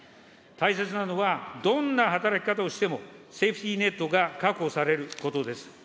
大切なのは、どんな働き方をしても、セーフティーネットが確保されることです。